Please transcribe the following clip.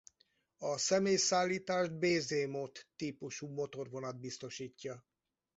A személyszállítást Bzmot típusú motorvonat biztosítja.